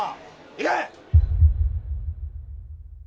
行け！